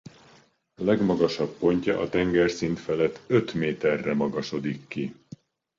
Legmagasabb pontja a tengerszint felett öt méterre magasodik ki.